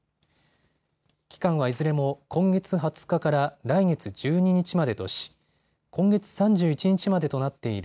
期間はいずれも今月２０日から来月１２日までとし今月３１日までとなっている